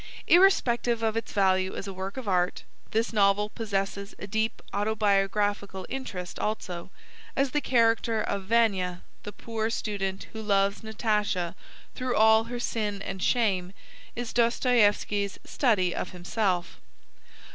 Irrespective of its value as a work of art, this novel possesses a deep autobiographical interest also, as the character of Vania, the poor student who loves Natasha through all her sin and shame, is Dostoieffski's study of himself.